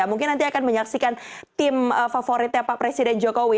mungkin nanti akan menyaksikan tim favoritnya pak presiden jokowi